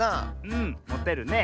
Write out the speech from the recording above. うんもてるね。